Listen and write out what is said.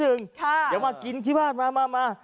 เดี๋ยวมากินที่บ้านมา